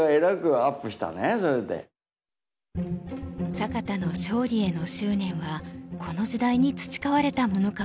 坂田の勝利への執念はこの時代に培われたものかもしれません。